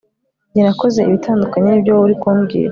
Njye nakoze ibitandukanye nibyo wowe uri kumbwira